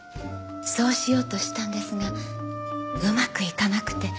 そうしようとしたんですがうまくいかなくて。